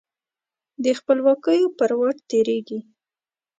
د خپلواکیو پر واټ تیریږې